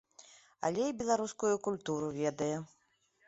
Але і беларускую культуру ведае.